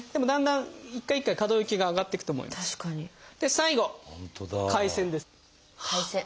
最後回旋です。